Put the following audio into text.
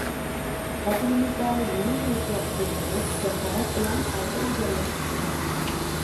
ۋەتىنىمىزدە يېڭى كەيپىيات جۇش ئۇرۇپ، جاسارەت بىلەن ئالغا ئىلگىرىلىمەكتىمىز.